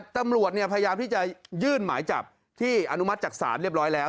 ตำรวจพยายามที่จะยื่นหมายจับที่อนุมัติจากศาลเรียบร้อยแล้ว